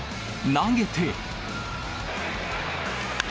投げて。